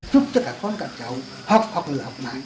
giúp cho cả con cả cháu học học người học mãi